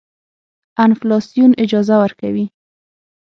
انفلاسیون اجازه ورکوي.